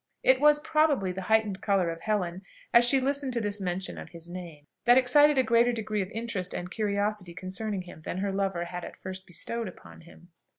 It was, probably, the heightened colour of Helen as she listened to this mention of his name that excited a greater degree of interest and curiosity concerning him than her lover had at first bestowed upon him.